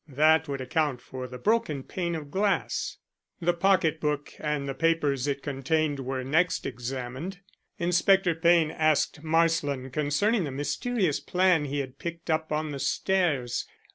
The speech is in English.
That would account for the broken pane of glass." The pocket book and the papers it contained were next examined. Inspector Payne asked Marsland concerning the mysterious plan he had picked up on the stairs.